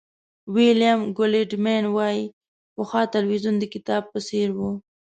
ویلیام گولډمېن وایي پخوا تلویزیون د کتاب په څېر و.